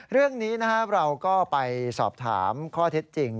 เรื่องนี้นะครับเราก็ไปสอบถามข้อเท็จจริง